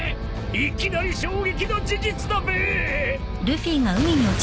いきなり衝撃の事実だべ！］